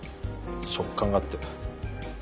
食感があって。